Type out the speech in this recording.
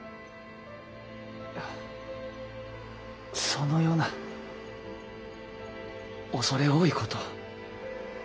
あそのような恐れ多いこと。